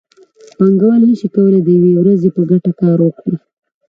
پانګوال نشي کولی د یوې ورځې په ګټه کار وکړي